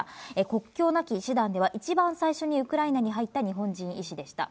国境なき医師団では一番最初にウクライナに入った日本人医師でした。